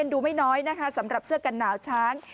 ดูไม่น้อยนะคะสำหรับเสื้อกันหนาวช้าง